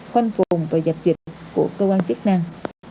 khoanh vùng và dập dịch của cơ quan chức năng